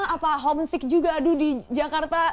apa homesick juga aduh di jakarta